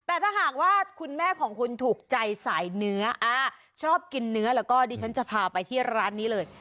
แต่ถ้าหากว่าคุณแม่ของคุณถูกใจสายเนื้อชอบกินเนื้อแล้วก็ดิฉันจะพาไปที่ร้านนี้เลย